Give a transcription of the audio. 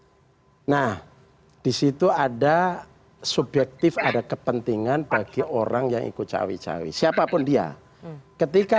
dia gitu nah disitu ada subjektif ada kepentingan bagi orang yang ikut cewek cewek siapapun dia ketika